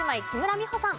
美穂さん。